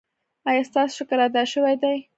ایا ستاسو شکر ادا شوی دی؟